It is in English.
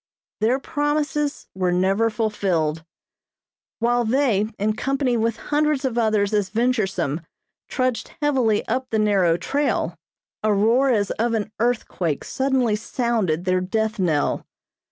Their promises were never fulfilled. While they, in company with hundreds of others as venturesome, trudged heavily up the narrow trail, a roar as of an earthquake suddenly sounded their death knell.